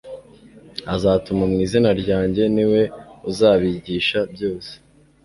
azatuma mu izina ryanjye ni we uzabigisha byose